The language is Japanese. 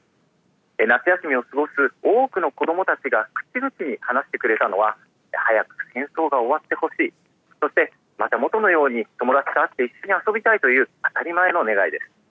夏休みを過ごす多くの子どもたちが口々に話してくれたのは、早く戦争が終わってほしい、そしてまたもとのように友達と会って一緒に遊びたいという、当たり前の願いです。